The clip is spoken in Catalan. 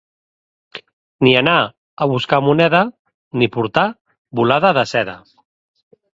Ni anar a buscar moneda ni portar bolada de seda.